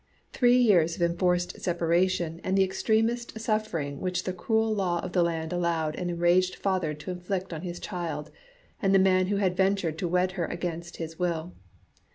Three years of enforced separation and the extremest suffering which the cruel law of the land allowed an enraged father to inflict on his child and the man who had ventured to wed her against his will.